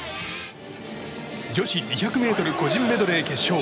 女子２００ｍ個人メドレー決勝。